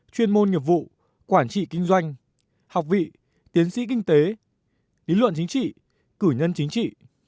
chuyên môn nghiệp vụ quản trị kinh doanh học vị tiến sĩ kinh tế lý luận chính trị cử nhân chính trị